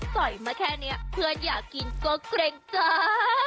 อยมาแค่นี้เพื่อนอยากกินก็เกร็งจ้า